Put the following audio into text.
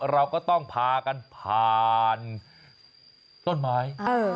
เราก็ต้องพากันผ่านต้นไม้